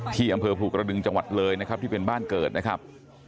ที่อำเภอภูกระดึงจังหวัดเลยนะครับที่เป็นบ้านเกิดนะครับ